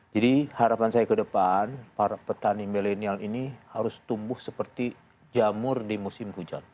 jadi harapan saya ke depan para petani milenial ini harus tumbuh seperti jamur di musim hujan